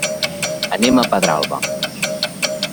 Anem a Pedralba.